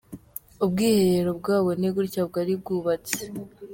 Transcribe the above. Ubwiherero bwabo ni gutya bwari bwubatse.